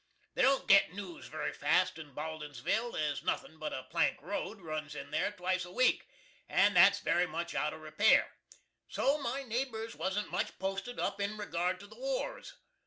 They don't git news very fast in Baldinsville, as nothin but a plank road runs in there twice a week, and that's very much out of repair. So my nabers wasn't much posted up in regard to the wars.